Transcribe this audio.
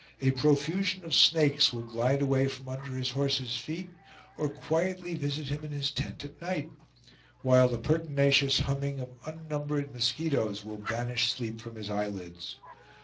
A profusion of snakes will glide away from under his horse's feet, or quietly visit him in his tent at night; while the pertinacious humming of unnumbered mosquitoes will banish sleep from his eyelids.